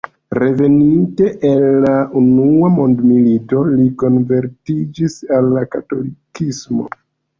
Reveninte el la unua mondmilito li konvertiĝis al katolikismo.